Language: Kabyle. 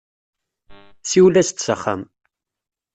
Siwel-as-d s axxam.